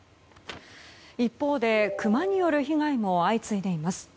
一方でクマによる被害も相次いでいます。